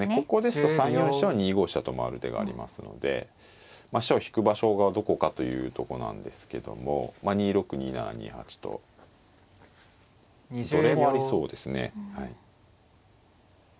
ここですと３四飛車は２五飛車と回る手がありますのでまあ飛車を引く場所がどこかというとこなんですけどもまあ２六２七２八とどれもありそうですね。